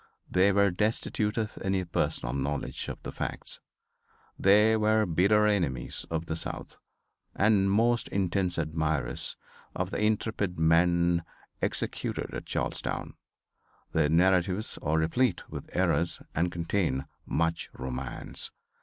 They were destitute of any personal knowledge of the facts. They were bitter enemies of the South and most intense admirers of the intrepid man executed at Charlestown. Their narratives are replete with errors and contain much romance.